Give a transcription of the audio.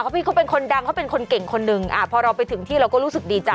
พี่เขาเป็นคนดังเขาเป็นคนเก่งคนหนึ่งพอเราไปถึงที่เราก็รู้สึกดีใจ